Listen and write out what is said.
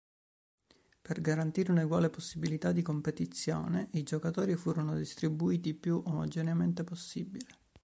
Per garantire un'uguale possibilità di competizione, i giocatori furono distribuiti più omogeneamente possibile.